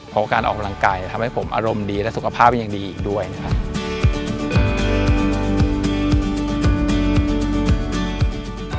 เพราะการออกกำลังกายทำให้ผมอารมณ์ดีและสุขภาพยังดีอีกด้วยนะครับ